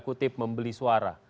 kutip membeli suara